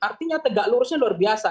artinya tegak lurusnya luar biasa